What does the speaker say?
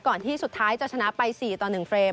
ที่สุดท้ายจะชนะไป๔ต่อ๑เฟรม